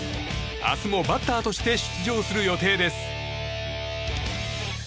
明日もバッターとして出場する予定です。